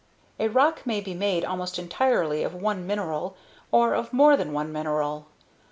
A rock may be made almost entirely of one mineral or of more than one mineral.